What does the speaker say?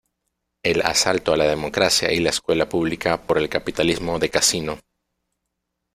El asalto a la democracia y la escuela pública por el capitalismo de casino.